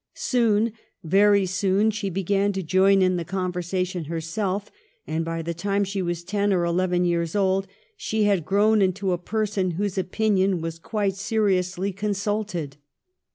Soon, very soon, she began to join in the con versation herself, and by the time she was ten or eleven years old she had grown into a person whose opinion was quite seriously consulted.